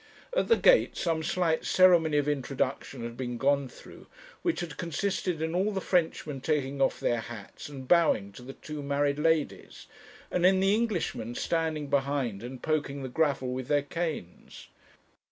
At the gate some slight ceremony of introduction had been gone through, which had consisted in all the Frenchmen taking off their hats and bowing to the two married ladies, and in the Englishmen standing behind and poking the gravel with their canes.